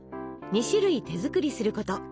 ２種類手作りすること。